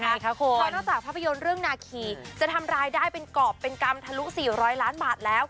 เพราะนอกจากภาพยนตร์เรื่องนาคีจะทำรายได้เป็นกรอบเป็นกรรมทะลุ๔๐๐ล้านบาทแล้ว